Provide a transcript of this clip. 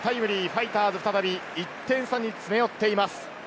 ファイターズ、再び１点差に詰め寄っています。